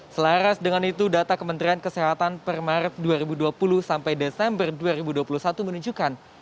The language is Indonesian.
selaras dengan itu data kementerian kesehatan per maret dua ribu dua puluh sampai desember dua ribu dua puluh satu menunjukkan